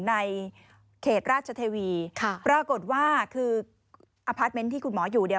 ในเขตราชเทวีปรากฎว่าคืออาพาทเมนต์ที่คุณหมออยู่